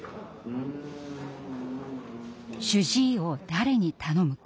主治医を誰に頼むか。